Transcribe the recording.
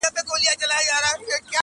سړي راوستی ښکاري تر خپله کوره.